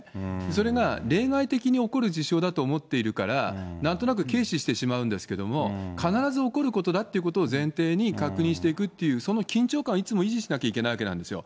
それが例外的に起こる事象だと思っているから、なんとなく軽視してしまうんですけど、必ず起こることだということを前提に確認していくっていう、その緊張感をいつも維持しなきゃいけないわけですよ。